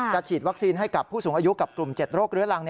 ฉีดวัคซีนให้กับผู้สูงอายุกับกลุ่ม๗โรคเรื้อรัง